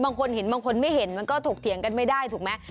บางคนเห็นบางคนไม่เห็นมันก็ถกเถียงกันไม่ได้ถูกไหม